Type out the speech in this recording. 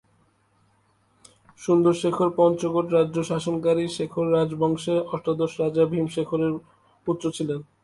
সুন্দর শেখর পঞ্চকোট রাজ্য শাসনকারী শেখর রাজবংশের অষ্টাদশ রাজা ভীম শেখরের পুত্র ছিলেন।